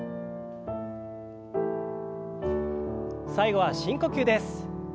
最後は深呼吸です。